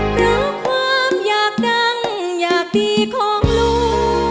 เพราะความอยากดังอยากดีของลูก